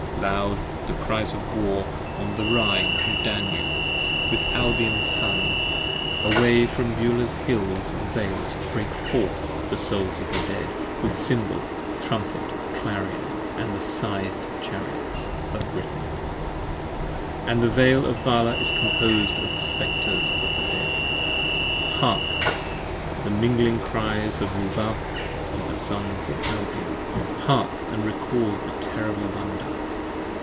Loud the cries of War on the Rhine & Danube, with Albion's Sons. 53 Away from Beulah's hills & vales break forth the Souls of the Dead, 10 With cymbal, trumpet, clarion, & the scythed chariots of Britain. And the Veil of Vala is composed of the Spectres of the Dead. Hark! the mingling cries of Luvah with the Sons of Albion. Hark! & Record the terrible wonder!